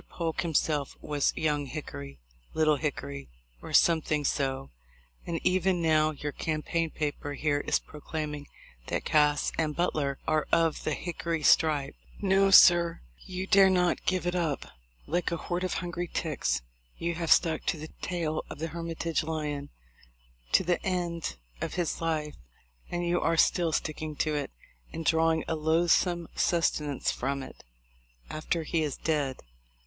Polk himself was 'Young Hickory,' 'Little Hickory,' or something so ; and even now your campaign paper here is proclaiming that Cass and Butler are of the 'Hickory stripe.' No, sir, you dare not give it up. Like a horde of hungry ticks, you have stuck to the tail of the Hermitage lion to the end of his life ; and you are still sticking to it, and drawing a loathsome sustenance from it, after he is dead.